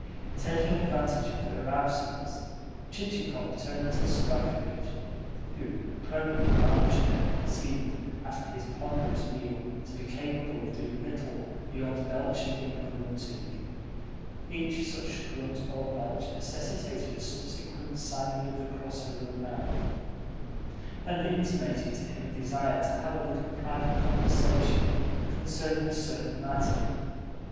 Taking advantage of her absence, Chichikov turned to Sobakevitch (who, prone in an armchair, seemed, after his ponderous meal, to be capable of doing little beyond belching and grunting each such grunt or belch necessitating a subsequent signing of the cross over the mouth), and intimated to him a desire to have a little private conversation concerning a certain matter.